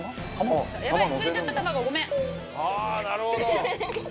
なるほど！」